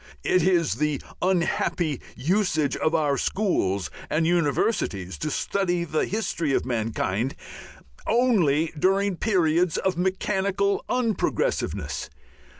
It is the unhappy usage of our schools and universities to study the history of mankind only during periods of mechanical unprogressiveness.